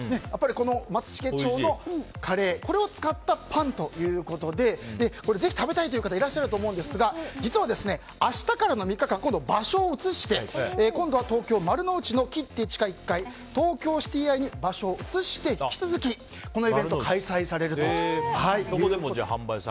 松茂町のカレーを使ったパンということでぜひ食べたいという方がいらっしゃると思うんですが実は、明日からの３日間今度場所を移して今度は東京・丸の内のＫＩＴＴＥ地下１階東京シティアイに場所を移して、引き続きこのイベント開催されるということで。